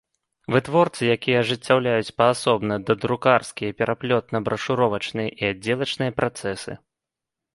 Вытворцы, якiя ажыццяўляюць паасобна дадрукарскiя, пераплётна-брашуровачныя i аддзелачныя працэсы.